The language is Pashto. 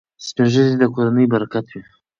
سپین ږیري د کورنۍ برکت وي.